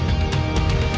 saya tidak peduli